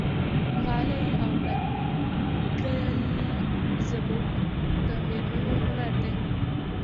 غالۍ اوبدل زموږ د مېرمنو هنر دی.